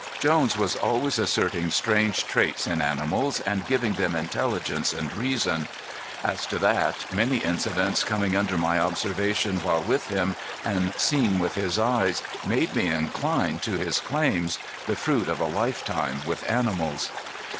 Jones was always asserting strange traits in animals, and giving them intelligence and reason. As to that, many incidents coming under my observation while with him, and seen with his eyes, made me incline to his claims, the fruit of a lifetime with animals.